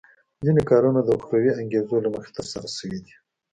ځینې کارونه د اخروي انګېزو له مخې ترسره شوي دي.